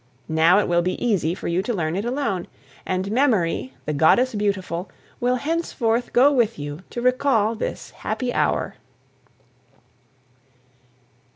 Now, it will be easy for you to learn it alone. And Memory, the Goddess Beautiful, will henceforth go with you to recall this happy hour.